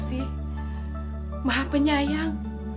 tidak ada yang mengatakan